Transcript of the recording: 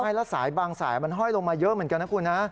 ใช่แล้วสายบางสายมันห้อยลงมาเยอะเหมือนกันนะคุณนะ